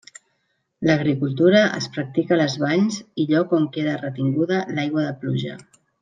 L'agricultura es practica a les valls i lloc on queda retinguda l'aigua de pluja.